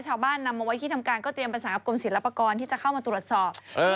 ชาวบ้านนำมาไว้ที่ทำการก็เตรียมประสานกับกรมศิลปากรที่จะเข้ามาตรวจสอบ